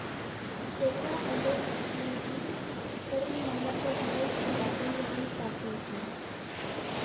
Zerua hodei gutxirekin, erdi mailako hodei eta goi-hodei tarteekin.